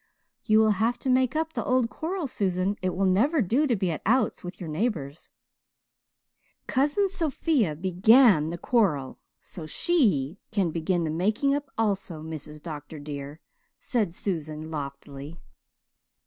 "You will have to make up the old quarrel, Susan. It will never do to be at outs with your neighbours." "Cousin Sophia began the quarrel, so she can begin the making up also, Mrs. Dr. dear," said Susan loftily.